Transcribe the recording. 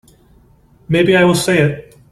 Maybe I will say it.